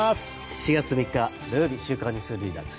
７月３日、土曜日「週刊ニュースリーダー」です。